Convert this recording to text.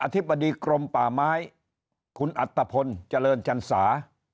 ธิบดีกรมป่าไม้คุณอัตภพลเจริญจันสา